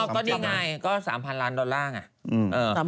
ก็นี่ไงก็๓๐๐ล้านดอลลาร์ไง